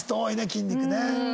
筋肉ね。